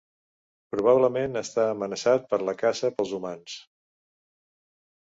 Probablement està amenaçat per la caça pels humans.